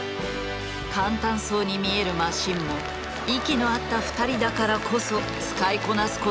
簡単そうに見えるマシンも息の合った２人だからこそ使いこなすことができたのだ。